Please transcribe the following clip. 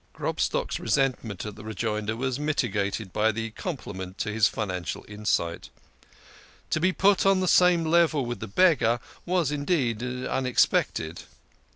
Grobstock's resentment at the rejoinder was mitigated by the compliment to his financial insight. To be put on the same level with the Beggar was indeed unexpected.